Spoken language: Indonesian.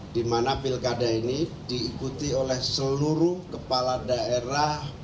di mana pilkada ini diikuti oleh seluruh kepala daerah